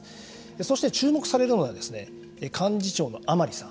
そして注目されるのは幹事長の甘利さん。